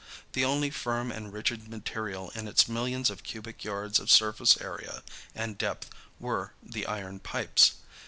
The only firm and rigid material in its millions of cubic yards of surface area and depth were the iron pipes.